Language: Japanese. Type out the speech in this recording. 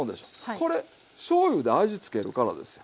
これしょうゆで味つけるからですよ。